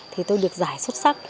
thì tôi được giải xuất sắc